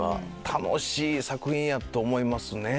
楽しい作品やと思いますね。